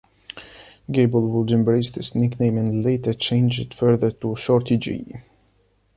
Gable would embrace this nickname and later change it further to "Shorty G".